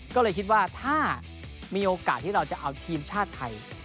ก็เลยคิดว่าถ้ามีโอกาสที่เราจะเอาทีมชาติไทย